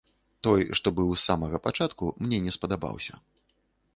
Той, што быў з самага пачатку, мне не спадабаўся.